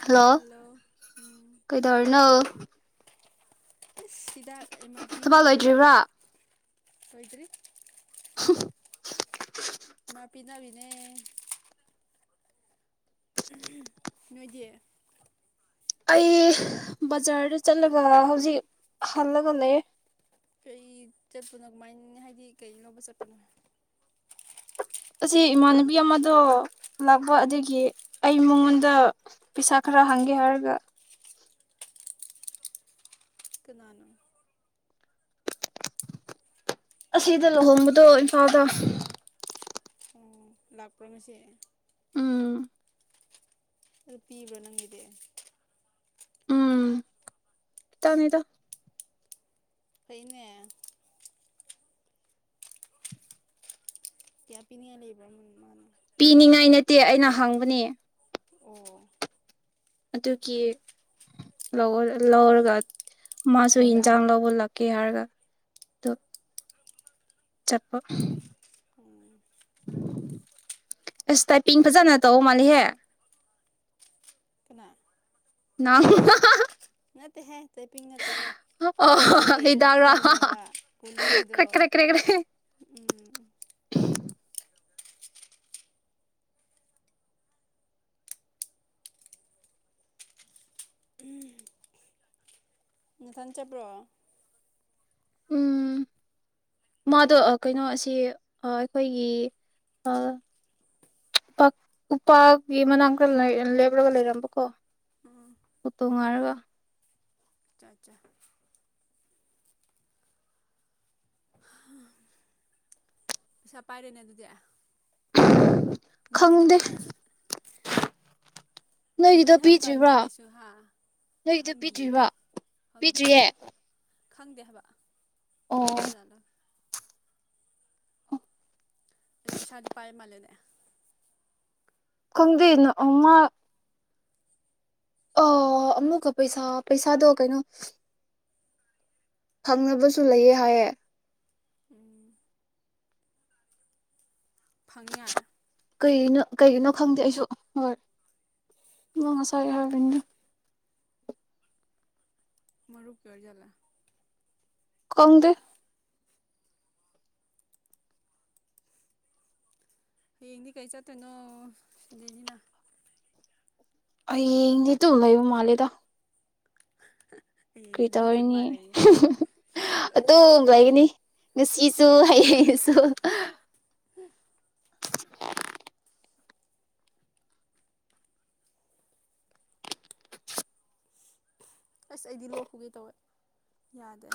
Hello ꯀꯩꯗꯧꯔꯤꯅꯣ ꯍꯤꯗꯥꯛ M R P ꯊꯕꯛ ꯅꯥꯞ ꯄꯤ ꯂꯣꯏꯗ꯭ꯔꯤꯕ꯭ꯔꯥ ꯂꯣꯏꯗ꯭ꯔꯤ꯫ [unintelligible] [unintelligible] ꯄꯤꯅꯕꯤꯅꯦ ꯅꯣꯏꯗꯤ ꯑꯩ ꯕꯖꯥꯔꯗ ꯆꯠꯂꯒ ꯍꯧꯖꯤꯛ ꯍꯜꯂꯒ ꯂꯩ ꯀꯩ ꯆꯠꯄꯅꯣ ꯀꯃꯥꯏꯅ ꯍꯥꯏꯗꯤ ꯀꯩꯅꯧꯕ ꯆꯠꯄꯅꯣ ꯑꯁꯤ ꯏꯃꯥꯟꯅꯕꯤ ꯑꯃꯗꯣ ꯂꯥꯛꯄ ꯎꯝ ꯑꯗꯨꯒꯤ ꯑꯩ ꯃꯉꯣꯟꯗ ꯑꯗ ꯄꯩꯁꯥ ꯈꯔ ꯍꯪꯒꯦ ꯍꯥꯏꯔꯒ ꯀꯅꯥꯅꯣ ꯑꯁꯤꯗ ꯂꯨꯍꯣꯡꯕꯗꯣ ꯏꯝꯐꯥꯜꯗ ꯑꯣ ꯂꯥꯛꯄ꯭ꯔꯥ ꯉꯁꯤ ꯎꯝ ꯑꯗꯨ ꯄꯤꯕ꯭ꯔꯥ ꯅꯪꯒꯤꯗꯤ ꯇꯅꯤꯗ ꯐꯩ ꯅꯦ ꯀꯌꯥ ꯄꯤꯅꯤꯡꯉꯥꯏ ꯂꯩꯕ꯭ꯔꯥ ꯃꯥꯅ ꯄꯤꯅꯤꯡꯉꯥꯏ ꯅꯠꯇꯦ ꯑꯩꯅ ꯍꯥꯡꯕꯅꯦ ꯑꯣ ꯑꯗꯨꯒꯤ ꯂꯧꯔꯒ ꯃꯥꯁꯨ ꯌꯦꯟꯁꯥꯡ ꯂꯧꯕꯂꯛꯀꯦ ꯍꯥꯏꯔꯒ [inaudible] ꯆꯠꯄ [inaudible] ꯑꯁ ꯇꯥꯏ ꯄꯤꯡ ꯐꯖꯅ ꯇꯧ ꯃꯥꯜꯂꯤꯍꯦ ꯀꯅꯥ ꯅꯪ ꯅꯠꯇꯦ ꯍꯦ ꯇꯥꯏꯄꯤꯡ ꯅꯠꯇꯦꯍꯦ ꯑꯣ ꯍꯤꯗꯥꯛꯀꯤ ꯍꯤꯗꯥꯛꯔꯥ ꯃꯈꯣꯟꯅꯦꯕ ꯒꯨꯂꯤꯒꯤꯗꯣ ꯀ꯭ꯔꯦꯛ ꯀ꯭ꯔꯦꯛ ꯀ꯭ꯔꯦꯛ ꯀ꯭ꯔꯦꯛ ꯎꯝ ꯅꯊꯟ ꯆꯠꯄ꯭ꯔꯣ ꯎꯝ ꯃꯥꯗꯣ ꯑ ꯀꯩꯅꯣ ꯑꯁꯤ ꯑ ꯑꯩꯈꯣꯏꯒꯤ ꯑ ꯎꯄꯥꯜꯒꯤ ꯃꯅꯥꯛ ꯂꯩ ꯂꯦꯞꯔꯒ ꯂꯩꯔꯝꯕꯀꯣ ꯎꯝ ꯑꯣꯇꯣ ꯉꯥꯏꯔꯒ ꯆꯥ ꯆꯥ ꯄꯩꯁꯥ ꯄꯥꯏꯔꯦꯅꯦ ꯑꯗꯨꯗꯤ ꯈꯪꯗꯦ ꯃꯤꯒꯤꯗꯤꯄꯤ ꯅꯣꯏ ꯅꯣꯏꯒꯤꯗꯣ ꯍꯪꯕ ꯀꯥꯟꯗꯗꯤ ꯄꯤꯗ꯭ꯔꯤꯕ꯭ꯔꯥ ꯀꯩꯁꯨ ꯍꯥ ꯅꯣꯏꯒꯤꯗꯣ ꯈꯪꯗꯤꯌꯦ ꯄꯤꯗ꯭ꯔꯤꯕ꯭ꯔꯥ ꯈꯪꯗꯤꯌꯦ ꯄꯤꯗ꯭ꯔꯤꯌꯦ ꯈꯪꯗꯦ ꯍꯥꯏꯕ ꯑꯣ ꯀ ꯍꯂ ꯑꯗꯨ ꯄꯩꯁꯥꯗꯤ ꯄꯥꯏ ꯃꯥ ꯂꯩꯦꯅꯦ ꯀꯪꯗꯅꯣ ꯎꯃ ꯑ ꯑꯃꯨꯛꯀ ꯄꯩꯁꯥ ꯄꯩꯁꯥꯗꯣ ꯀꯩꯅꯣ ꯐꯪꯅꯕꯁꯨ ꯂꯩꯌꯦ ꯍꯥꯏꯌꯦꯦ ꯎꯝ ꯐꯪꯅꯤ ꯀꯩꯅꯣ ꯀꯩꯒꯤꯅꯣ ꯈꯪꯗꯦ ꯑꯩꯁꯨ ꯍꯣꯏ ꯑ ꯉꯁꯥꯏ ꯍꯥꯏꯕꯤꯅꯤ ꯃꯔꯔꯨꯞ ꯄꯔꯖꯂ ꯀꯣꯡꯗ ꯍꯌꯦꯡꯗꯤ ꯀꯩ ꯆꯠꯇꯣꯏꯅꯣ ꯁꯤꯗꯅꯤꯅ ꯑꯩ ꯅꯇꯨ ꯍꯗꯣ ꯎ ꯃꯥꯦꯗ ꯍ ꯀꯔꯤ ꯇꯥ ꯑꯣꯏꯔꯤꯅꯤ ꯑꯗꯨ ꯂꯩꯒꯅꯤ ꯅꯨꯡꯁꯤꯁꯨ ꯍꯩ ꯍꯩꯁꯨ ꯑꯁ ꯑꯩꯗꯤ ꯂꯣꯛꯄꯒꯦ ꯇꯧꯋꯦ ꯌꯥꯗꯦ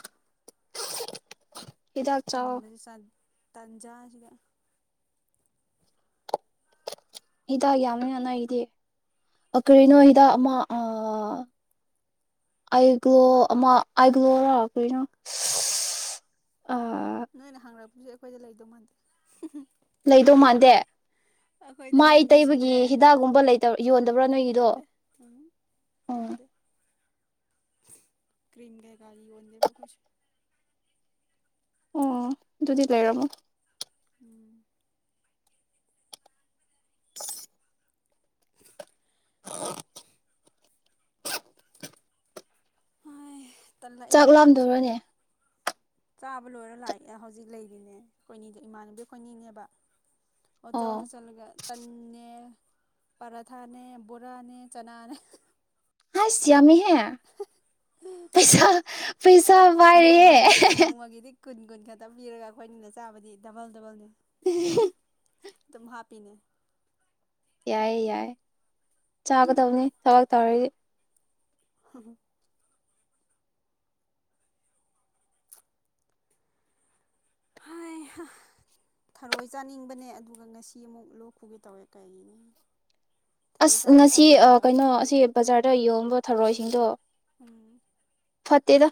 ꯍꯤꯗꯥꯛ ꯆꯥꯎ ꯇꯟꯕ ꯁꯠ ꯇꯥꯟꯖꯥꯖꯤꯒ ꯍꯤꯗꯥꯛ ꯌꯥꯝꯅ ꯉꯅ ꯑꯩꯗꯤ ꯀꯔꯤꯅꯣ ꯍꯤꯗꯥꯛ ꯑꯃ ꯑ ꯑ ꯭ꯂꯣ ꯑꯃ ꯑꯥꯏꯒ꯭ꯂꯣꯔꯥ ꯀꯔꯤꯅꯣ ꯑ ꯅꯣꯏꯅ ꯍꯥꯡꯉꯛꯄꯁꯨ ꯑꯩꯈꯣꯏꯗ ꯂꯩꯗꯧ ꯃꯥꯟꯗꯦ ꯂꯩꯗꯧ ꯃꯥꯟꯗꯦ ꯑꯩꯈꯣꯏꯗꯅꯦ ꯃꯥꯏ ꯇꯩꯕꯒꯤ ꯃꯤꯁꯤꯡꯅꯅꯦ ꯍꯤꯗꯥꯛꯒꯨꯝꯕꯇ ꯌꯣꯟꯗꯕ꯭ꯔꯥ ꯅꯣꯏꯒꯤꯗꯣ ꯂꯩꯇꯦ ꯎꯝ ꯀ꯭ꯔꯤꯝꯒ ꯀꯔꯤ ꯋꯥꯗꯕ ꯑꯣ ꯑꯗꯨꯗꯤ ꯂꯩꯔꯝꯃꯣ ꯎꯝ ꯍꯥꯏ ꯇꯜꯂꯛꯏꯗ ꯆꯥꯛ ꯂꯥꯝꯗꯧꯕꯅꯦ ꯆꯥꯕ ꯂꯣꯏꯔ ꯂꯥꯛ ꯍꯧꯖꯤꯛ ꯂꯩꯔꯤꯅꯦ ꯑꯩꯣꯏꯅꯤꯗ ꯏꯃꯥꯟꯅꯕꯤ ꯑꯩꯣꯏꯅꯤꯅꯦꯕ ꯑꯣ ꯇ ꯑꯣꯗ ꯆꯂꯒ ꯇꯟꯅꯦ ꯄꯔꯥꯊꯥꯅꯦ ꯕꯣꯔꯥꯅꯦ ꯆꯅꯥꯅꯦ ꯑ ꯁꯤ꯭ꯌꯥꯃꯤ ꯍ ꯄꯩꯁꯥ ꯄꯩꯁꯥ ꯋꯥꯏꯔꯦ ꯅꯣꯡꯃꯒꯤ ꯅꯣꯡꯃꯒꯤꯗꯤ ꯀꯨꯟ ꯀꯨꯟ ꯈꯛꯇ ꯄꯤꯔꯒ ꯑꯩꯈꯣꯏꯅꯅ ꯆꯥꯕꯗꯤ ꯗꯕꯜ ꯗꯕꯜꯅꯤ ꯑꯗꯨꯝ ꯍꯥꯞꯄꯤꯅꯦ ꯌꯥꯏꯌꯦ ꯌꯥꯏ ꯆꯥ ꯇꯕꯅꯤ ꯆ ꯇꯔꯦ ꯑ ꯍꯥꯏ ꯊꯔꯣꯏ ꯆꯥꯅꯤꯡꯕꯅꯦ ꯑꯗꯨꯒ ꯉꯁꯤ ꯑꯃꯨꯛ ꯂꯣꯛꯄꯒꯦ ꯇꯧꯋꯦ ꯀꯩꯅꯦ ꯑꯁ ꯉꯁꯤ ꯀꯩꯅꯣ ꯑꯁꯤ ꯕꯖꯥꯔꯗ ꯌꯣꯟꯕ ꯊꯧꯔꯣꯏꯁꯤꯡꯗꯣ ꯎꯝ ꯐꯠꯇꯦꯗ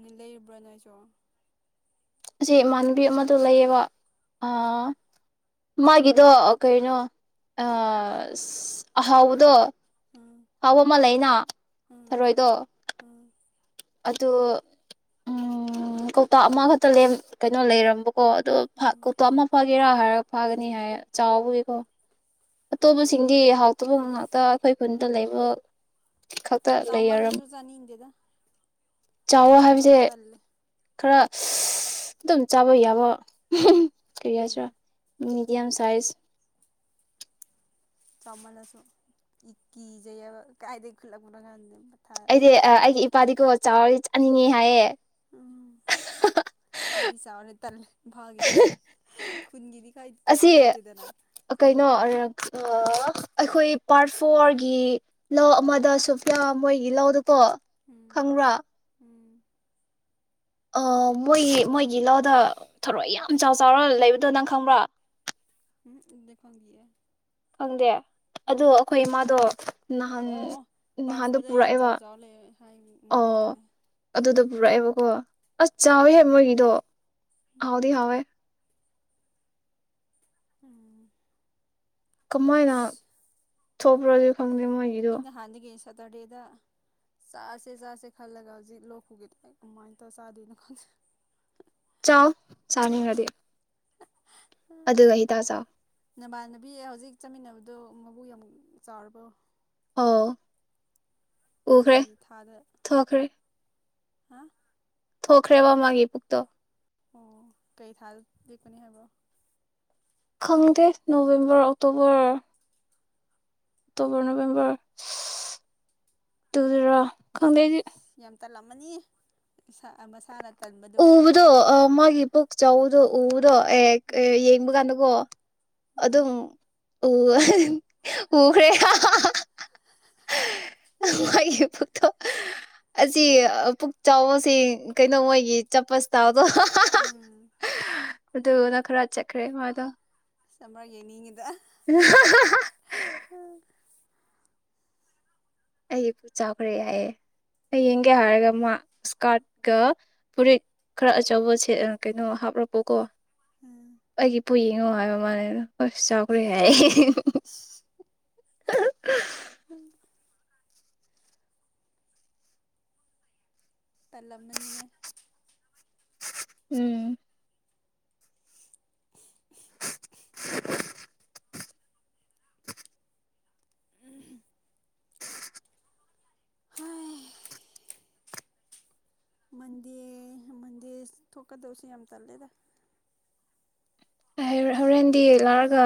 ꯃꯤ ꯂꯩꯕ꯭ꯔꯅꯖꯣ ꯑꯁꯤ ꯏꯃꯥꯟꯅꯕꯤ ꯑꯃꯗ ꯂꯩꯌꯦꯕ ꯑꯥ ꯎꯝ ꯃꯥꯒꯤꯗꯣ ꯀꯩꯅꯣ ꯑꯥ ꯑꯍꯥꯎꯕꯗꯣ ꯎꯝ ꯍꯥꯎꯕ ꯑꯃ ꯂꯩꯅ ꯎꯝ ꯊꯔꯣꯏꯗꯣ ꯎꯝ ꯑꯗꯨ ꯑꯝ ꯀꯧꯇꯥꯥ ꯑꯃ ꯈꯛꯇ ꯂꯦꯝ ꯀꯩꯅꯣ ꯂꯩꯔꯝꯕ ꯑꯣ ꯑꯗꯨ ꯐ ꯎꯝ ꯀꯣꯛꯇ ꯑꯃ ꯐꯥꯒꯤ ꯆꯦꯔꯥ ꯍꯥꯏꯔꯒ ꯐꯥꯒꯅꯤ ꯍꯥꯏ ꯆꯥꯎꯕꯒꯤꯀꯣ ꯑꯇꯣꯞꯄꯁꯤꯡꯗꯤ ꯍꯥꯎꯇꯕ ꯉꯥꯛꯇ ꯑꯩꯈꯣꯏ ꯈꯨꯟꯗ ꯂꯩꯕ ꯈꯛꯇ ꯂꯩꯔꯝ ꯆꯥꯎꯝꯜꯂꯁꯨ ꯆꯥꯅꯤꯡꯗꯦꯗ ꯆꯥꯎꯋꯣ ꯀꯩꯅꯣꯃꯥ ꯍꯥꯏꯕꯁꯦ ꯇꯜꯂꯦ ꯈꯔ ꯑꯗꯨꯝ ꯆꯥꯕ ꯌꯥꯕ ꯀꯩ ꯎꯝ ꯍꯥꯏꯁꯤꯔꯥ ꯎꯝ ꯌꯥꯝ ꯆꯥꯏꯁ ꯆꯥꯎꯃꯜꯂꯥꯁꯨ ꯏꯀꯤ ꯖꯩꯌꯦꯕꯥ ꯀꯥꯏꯗꯩꯩ ꯈꯨꯜꯂꯛꯄꯅꯣ ꯑꯉꯥꯡꯗꯨ ꯑꯩꯗꯤ ꯑ ꯑꯩꯒꯤ ꯏꯄꯥꯗꯤꯀꯣ ꯆꯥꯎ ꯆꯥꯅꯤꯡꯉꯦ ꯍꯥꯏꯌꯦ ꯎꯝ ꯝꯐꯥꯒꯤꯗꯤ ꯈꯨꯟꯒꯤꯗꯤ ꯀꯩꯁꯨ ꯑꯁꯤ ꯀꯥꯏꯗꯦꯗꯅ ꯈꯨꯟꯕꯨ ꯀꯩꯅꯣ ꯑꯣꯏꯔꯗꯤ ꯑꯩꯈꯣꯏ ꯄꯥꯔꯠ ꯐꯣꯔꯒꯤ ꯂꯧ ꯑꯃꯗꯁꯨ ꯐꯤꯌꯥꯝ ꯃꯣꯏꯒꯤ ꯂꯧꯗꯨ ꯀꯣ ꯎꯝ ꯈꯪꯕ꯭ꯔꯥ ꯎꯝ ꯑ ꯃꯣꯏꯒꯤ ꯃꯣꯏꯒꯤ ꯂꯧꯗ ꯊꯔꯣꯏ ꯌꯥꯝ ꯆꯥꯎ ꯆꯥꯎꯔ ꯂꯩꯕꯗꯣ ꯅꯪ ꯈꯪꯕ꯭ꯔꯥ ꯎꯝ ꯎꯗꯦ ꯈꯣꯗꯤꯌꯦ ꯈꯪꯗꯦ ꯑꯗꯨ ꯑꯩꯈꯣꯏ ꯏꯃꯥꯗꯣ ꯅꯍꯥꯟ ꯑꯣ ꯑꯣ ꯄꯥꯔꯠ ꯅꯍꯥꯟꯗꯣ ꯐꯣꯔꯗ ꯌꯥꯝ ꯄꯨꯔꯛꯑꯦꯕ ꯆꯥꯎ ꯆꯥꯎ ꯂꯩ ꯍꯥꯏ ꯑ ꯎꯝ ꯇꯥꯏ ꯑꯗꯨꯗ ꯄꯨꯨꯔꯛꯑꯦꯕꯀꯣ ꯑꯁ ꯆꯥꯎꯏꯍꯦ ꯃꯣꯏꯒꯤꯗꯣ ꯍꯥꯎꯗꯤ ꯍꯥꯎꯋꯦ ꯎꯝ ꯀꯃꯥꯏꯅ ꯊꯣꯛꯄ꯭ꯔꯣꯗꯨ ꯏꯩ ꯅꯍꯥꯟꯗꯒꯤ ꯑꯁ ꯁꯇꯔꯗꯦꯗ ꯆꯥꯁꯦ ꯆꯥꯁꯦ ꯈꯜꯂꯒ ꯍꯧꯖꯤꯛ ꯂꯣꯛ ꯈꯨꯒꯦ ꯇꯧꯋꯦ ꯀꯃꯥꯏ ꯇꯧꯔ ꯆꯥꯗꯣꯏꯅꯣ ꯈꯪꯗꯦ ꯆꯥꯎ ꯆꯥꯅꯤꯡꯉꯗꯤ ꯑꯗꯨꯗ ꯍꯤꯗꯥꯛ ꯆꯥꯎ ꯅꯃꯥꯟꯅꯕꯤ ꯍꯧꯖꯤꯛ ꯆꯠꯃꯤꯟꯅꯕꯗꯣ ꯃꯕꯨ ꯌꯥꯝ ꯆꯥꯎꯔꯕ ꯑꯎ ꯀꯩ ꯊꯥꯗ ꯍꯥ ꯊꯣꯛꯈ꯭ꯔꯦ ꯋꯥ ꯃꯥꯒꯤꯦ ꯄꯨꯈꯛꯇꯣ ꯑꯣ ꯀꯩ ꯊꯥ ꯂꯤꯛꯄꯅꯤ ꯍꯥꯏꯕꯣ ꯈꯪꯗꯦ ꯅꯣꯕꯦꯝꯕꯔ ꯑꯣꯛꯇꯣꯕꯔ ꯑꯣꯛꯇꯣꯕꯔ ꯅꯕꯦꯝꯕꯔ ꯇꯨꯗꯔꯥ ꯈꯪꯗꯦ ꯑꯩꯗꯤ ꯌꯥꯝ ꯇꯜꯂꯝꯃꯅꯤ ꯃꯁꯥꯅ ꯇꯟꯕꯗꯨꯒ ꯎꯕꯗꯣ ꯑ ꯃꯥꯒꯤ ꯆꯧꯗ ꯎ ꯑꯗꯣ ꯑꯦ ꯎꯝ ꯌꯦꯡꯕ ꯀꯥꯟꯗꯀꯣ ꯑꯗꯨ ꯎꯝ ꯑꯗꯨ ꯎ ꯎꯈ꯭ꯔꯦ ꯃꯣꯏꯒꯤ ꯄꯨꯣ ꯑꯁꯤ ꯄꯨꯛ ꯆꯥꯎꯕꯕꯁꯤ ꯀꯩꯅꯣ ꯃꯣꯏꯒꯤ ꯆꯄꯁ ꯇ ꯑꯣ ꯎꯝ ꯑꯗꯨꯅ ꯈꯔ ꯆꯠꯈ꯭ꯔꯦ ꯃꯥꯗꯣ ꯆ꯭ꯔꯦ ꯎ ꯑꯩꯠ ꯆꯥꯎꯥꯈ꯭ꯔꯦ ꯌꯥꯏꯑꯌꯦꯦ ꯍ ꯌꯦꯡꯒꯦ ꯍꯥꯏꯔꯒ ꯃꯥ ꯏꯁꯀꯥꯔꯠꯀ ꯐꯨꯔꯤꯠ ꯈꯔ ꯑꯆꯧꯕ ꯀꯩꯅꯣ ꯍꯥꯞꯂꯛꯄꯣꯀꯣ ꯎꯝ ꯑꯩ ꯄꯨꯏꯉꯣ ꯍꯥꯏꯕ ꯃꯥꯜꯦꯗ ꯑꯩꯣꯏꯁꯨ ꯆꯥꯎꯈ꯭ꯔꯦ ꯍꯥꯏ [unintelligible] ꯇꯜꯂꯝꯃꯅꯤꯅꯦ ꯎꯝ ꯎ ꯍꯣꯏ ꯃꯟꯗꯦ ꯃꯟꯗꯦ ꯊꯣꯛꯀꯗꯕꯁꯦ ꯌꯥꯝ ꯇꯜꯂꯦꯗ ꯍꯣꯔꯦꯟꯗꯤ ꯂꯥꯛꯔꯒ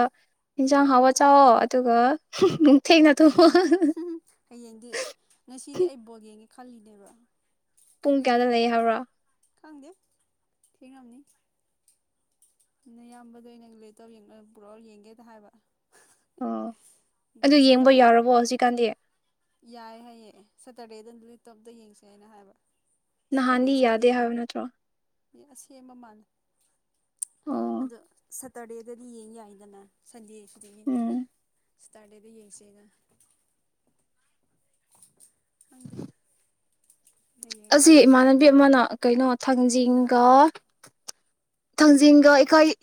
ꯏꯟꯁꯥꯡ ꯍꯥꯎꯋꯥ ꯆꯥꯛꯋ ꯑꯗꯨꯒ ꯅꯨꯡꯊꯤꯅ ꯊꯨꯝ ꯍꯌꯦꯡꯗꯤ ꯉꯁꯤꯗꯤ ꯑꯩ ꯕꯣꯜ ꯌꯦꯡꯉꯦ ꯈꯂꯤꯅꯦꯕ ꯄꯨꯡ ꯀꯌꯥꯗ ꯂꯩ ꯍꯥꯏꯕ꯭ꯔꯥ ꯈꯪꯗꯦꯕ ꯊꯔꯝꯅꯤ ꯅ ꯏꯌꯥꯝꯕꯗ ꯅꯪ ꯂꯦꯇꯧ ꯄꯨ꯭ꯔꯣ ꯌꯦꯡꯒꯦꯗ ꯍꯥꯏꯕ ꯑꯣ ꯑꯗꯨ ꯑꯗꯨꯒ ꯌꯦꯡꯕ ꯁꯇꯔꯗꯦ ꯌꯥꯎꯔꯕꯣ ꯍꯧꯖꯤꯛꯀꯥꯟꯗꯤ ꯌꯥꯏ ꯍꯥꯏꯌꯦ ꯁꯦꯇꯔꯗꯦꯗ ꯑꯗꯨ ꯇꯣꯞꯇ ꯌꯦꯡꯁꯦ ꯍꯥꯏꯅ ꯍꯥꯏꯕ ꯅꯍꯥꯟꯗꯤ ꯌꯥꯗꯦ ꯍꯥꯏꯕ ꯅꯠꯇ꯭ꯔꯣ ꯃꯤ ꯑꯁꯦꯡꯕ ꯃꯥꯥꯟꯅꯩ ꯑꯣ ꯑꯗꯣꯠ ꯇꯔꯦꯗꯗꯤ ꯌꯦꯡꯉꯦ ꯌꯥꯏꯗꯅ ꯁꯟꯗꯦ ꯕ ꯎꯝ ꯏꯁꯇꯥꯗꯦꯗ ꯌꯦꯡꯆꯦꯅ ꯍꯌꯦꯡ ꯑꯁꯤ ꯍꯣꯔꯦꯟ ꯏꯃꯥꯟꯅꯕꯤ ꯑꯃꯅ ꯀꯩꯅꯣ ꯇꯨꯝꯅꯤꯡꯕꯅ ꯊꯥꯡꯖꯤꯡꯒ ꯍꯥꯟꯗꯣꯏꯔꯥ ꯊꯥꯡꯖꯤꯡꯒ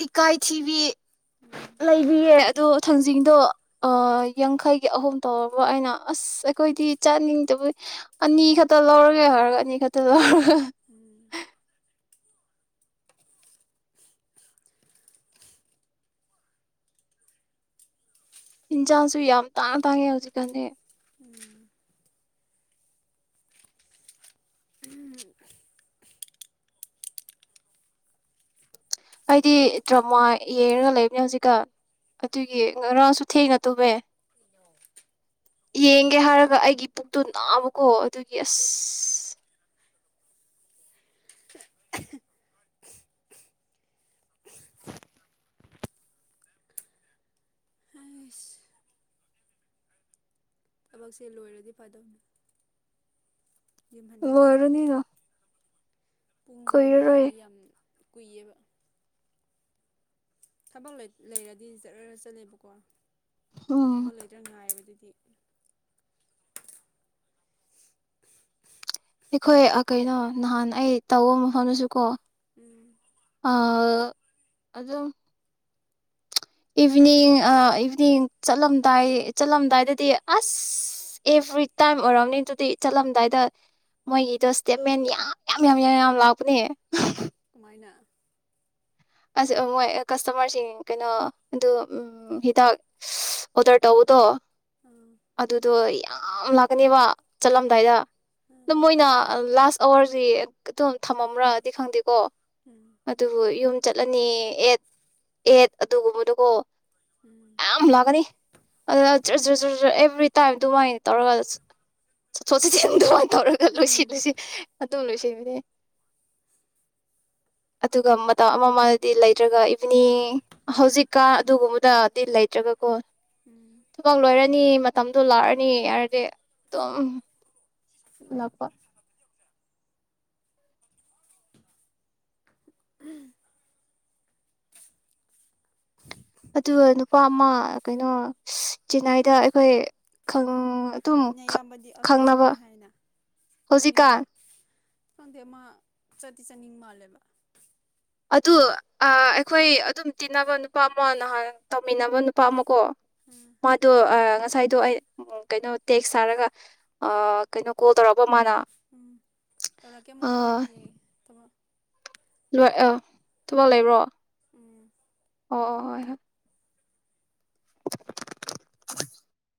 ꯏꯀꯥꯏꯊꯤꯕꯤ ꯎꯝ ꯂꯩꯕꯤꯌꯦ ꯑꯗ ꯊꯥꯡꯖꯤꯡꯗꯣ ꯌꯥꯡꯈꯩꯒꯤ ꯑꯍꯨꯝ ꯇꯧꯔꯕ ꯑꯩꯅ ꯑꯁ ꯑꯩꯈꯣꯏꯗꯤ ꯆꯥꯅꯤꯡꯗꯕ ꯑꯅꯤ ꯈꯛꯇ ꯂꯧꯔꯒꯦ ꯍꯥꯏꯔ ꯈꯗ ꯎꯝ ꯍꯤꯟꯖꯥꯡꯁꯨ ꯌꯥꯝ ꯇꯥꯡꯉ ꯇꯥꯡꯉꯦ ꯍꯧꯖꯤꯛꯀꯥꯟꯗꯤ ꯎꯝ ꯎꯝ ꯑꯩꯗꯤ ꯗ꯭ꯔꯃꯥ ꯌꯦꯡꯉꯒ ꯂꯩꯕꯅꯦ ꯍꯧꯖꯤꯛꯀ ꯑꯗꯨꯒꯤ ꯉꯔꯥꯡꯁꯨ ꯊꯦꯡꯅ ꯇꯨꯃꯦ ꯌꯦꯡꯒꯦ ꯍꯥꯏꯔꯒ ꯑꯩꯒꯤ ꯄꯨꯛꯇꯣ ꯅꯥꯕꯀꯣ ꯑꯗꯨꯒꯤ ꯑꯁ ꯑꯩꯁ ꯊꯕꯛꯁꯦ ꯂꯣꯏꯔꯗꯤ ꯐꯥꯗꯧꯅꯤ ꯑꯣꯏꯔꯅꯤꯅ ꯄꯨꯖꯦ ꯉ ꯑꯗꯤ ꯑꯝ ꯀꯨꯏꯕ ꯊꯕꯛ ꯂꯩꯔꯗꯤ ꯆꯠꯂ ꯆꯠꯂꯦꯕꯀꯣ ꯎꯝ ꯊꯕꯜ ꯂꯩꯇꯪꯅꯅꯥꯑꯕꯗꯤ ꯇ ꯑꯩꯈꯣꯏ ꯀꯩꯅꯣ ꯅꯍꯥꯟ ꯑꯩ ꯇꯧꯕ ꯃꯐꯝꯗꯁꯨ ꯀꯣ ꯎꯝ ꯑ ꯑꯗ ꯏꯚꯤꯅꯤꯡ ꯏꯚꯤꯅꯤꯡ ꯆꯠꯂꯝꯗꯥꯏ ꯆꯠꯂꯝꯗꯥꯏꯗꯗꯤ ꯑꯁ ꯑꯦꯚ꯭ꯔꯤꯇꯥꯏꯝ ꯑꯣꯏꯔꯝꯅꯤ ꯑꯗꯨꯗꯤ ꯆꯠꯂꯝꯗꯥꯏꯗ ꯃꯣꯏꯒꯤꯗꯣ ꯏꯁꯇꯦꯠꯃꯦꯟ ꯌꯥꯝ ꯌꯥꯝ ꯌꯥꯝ ꯌꯥꯝ ꯌꯥꯝ ꯂꯥꯛꯄꯅꯦ ꯀꯃꯥꯏꯅ ꯑꯁ ꯃꯣꯏ ꯀꯁꯇꯃꯔꯁꯤꯡ ꯀꯩꯅꯣ ꯑꯗꯨ ꯍꯤꯗꯥꯛ ꯑꯣꯗꯔ ꯇꯧꯕꯗꯣ ꯎꯝ ꯑꯗꯨ ꯑꯗꯨꯣ ꯌꯥꯝ ꯂꯥꯛꯀꯅꯦꯕ ꯎꯝ ꯆꯠꯂꯝꯗꯥꯏꯗ ꯑ ꯎꯝ ꯃꯣꯏꯅ ꯂꯥꯁ ꯑꯋꯥꯔ ꯍꯧ ꯑꯗꯨꯝ ꯊꯝꯃꯝꯕ꯭ꯔꯥꯗꯤ ꯈꯪꯗꯦꯀꯣ ꯑꯗ ꯏ ꯆꯠꯂꯅꯤ ꯑꯦꯠ ꯑꯦꯠ ꯑꯗꯨꯒꯨꯝꯕꯗꯨꯀꯣ ꯎꯝ ꯌꯥꯝ ꯂꯥꯛꯀꯅꯤ ꯑꯗꯨ ꯔꯤ ꯇꯥꯏ ꯑꯗꯨꯃꯥꯏꯅ ꯇꯧꯔꯒ ꯆꯠꯊꯠ ꯆꯠꯁꯤꯟ ꯇꯧꯔꯒ ꯎꯝ ꯂꯣꯏꯁꯤꯜꯂꯨꯁꯤ ꯃꯇꯨꯡ ꯂꯣꯏꯁꯤꯟꯜꯂꯤ ꯑꯗꯨꯒ ꯇ ꯑꯃꯃꯗꯤ ꯂꯩꯇ꯭ꯔꯒ ꯏꯚꯅꯤꯡ ꯍꯧꯖꯤꯛꯀ ꯑꯗꯨꯒꯨꯝꯕꯗꯗꯤ ꯂꯩꯇ꯭ꯔꯒ ꯀꯣ ꯎꯝ ꯊꯕꯛ ꯂꯣꯏꯔꯅꯤ ꯃꯇꯝꯗꯣ ꯂꯥꯛꯑꯅꯤ ꯌꯥꯔꯗꯤ ꯑꯗꯨꯝ ꯂꯥꯛꯄ ꯑꯗꯨꯒ ꯅꯨꯄꯥ ꯑꯃ ꯀꯩꯅꯣ ꯆꯦꯟꯅꯥꯏꯗ ꯑꯩꯈꯣꯏ ꯑꯗꯨꯝ ꯑꯌꯥꯝꯕꯗꯤ ꯑꯥꯎꯠꯁꯥꯏꯠ ꯈꯪꯅꯕ ꯆꯠꯀꯅꯤ ꯍꯥꯏꯅ ꯍꯧꯖꯤꯛꯀꯥꯟ ꯆꯥꯅꯤꯡꯗ꯭ꯔꯣ ꯈꯪꯗꯦ ꯑꯃ ꯆꯠꯇꯤ ꯆꯠꯅꯤꯡ ꯃꯥꯜꯂꯦꯕ ꯑꯗꯨ ꯑꯩꯈꯣꯏ ꯑꯗꯨꯝ ꯇꯤꯟꯅꯕ ꯅꯨꯄꯥ ꯑꯃ ꯅꯍꯥꯟ ꯇꯧꯃꯤꯟꯅꯕ ꯅꯨꯄꯥ ꯑꯃꯀꯣ ꯎꯝ ꯃꯗꯨ ꯑ ꯉꯁꯥꯏꯗꯣ ꯑꯩ ꯀꯩꯅꯣ ꯇꯦꯛꯁ ꯁꯥꯔꯒ ꯑ ꯀꯩꯅꯣ ꯀꯣꯜ ꯇꯧꯔꯛꯑꯕ ꯃꯥꯅ ꯎꯝ ꯇꯧꯔꯛꯀꯦ ꯑꯃꯨꯛꯀꯣ ꯍꯌꯦꯡ ꯊ ꯂ ꯑ ꯊꯨꯕꯥꯥꯟ ꯂꯩꯕ꯭ꯔꯣ ꯎꯝ ꯑꯣ ꯑꯣ ꯍꯣꯏ ꯍꯣꯏ [unintelligible]